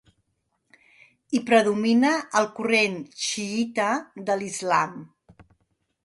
Hi predomina el corrent xiïta de l'islam.